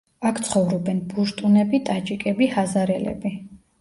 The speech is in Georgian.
აქ ცხოვრობენ პუშტუნები, ტაჯიკები, ჰაზარელები.